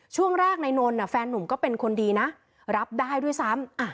ช่วงแรกนายนนท์แฟนหนุ่มก็เป็นคนดีนะรับได้ด้วยซ้ำ